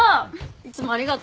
いつもありがとう。